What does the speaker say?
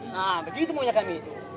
nah begitu mau nyatakan itu